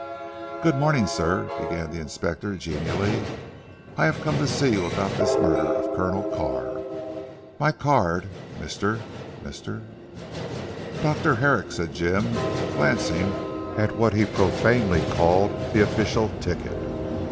"Good morning sir," began the Inspector genially. "I have come to see you about this murder of Colonel Carr. My card Mr. Mr. " "Dr. Herrick," said Jim, glancing at what he profanely called the official ticket.